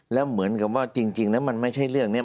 แล้วเหมือนกับว่าจริงแล้วมันไม่ใช่เรื่องนี้